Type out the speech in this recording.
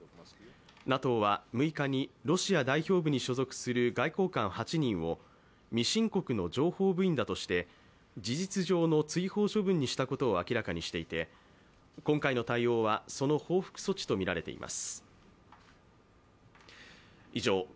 ＮＡＴＯは６日にロシア代表部に所属する外交官８人を未申告の情報部員だとして、事実上の追放処分にしたことを明らかにしていて今回の対応は、その報復措置とみられています。